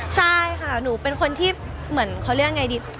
ใช่ค่ะหนูเป็นคนที่เหมือนเขาเรียกยังไงดี